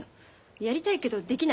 やりたいけどできない。